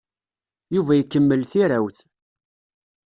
Yuba ikemmel tirawt.